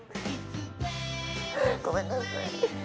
ごめんなさい。